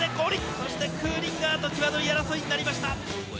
そしてクーリンガーときわどい争いになりました。